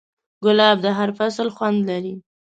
ګلاب د هر فصل خوند لري.